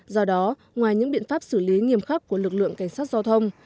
do đó ngoài những biện pháp xử lý nghiêm khắc của lực lượng cảnh sát giao thông